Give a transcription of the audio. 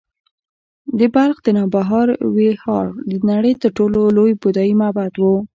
د بلخ د نوبهار ویهار د نړۍ تر ټولو لوی بودایي معبد و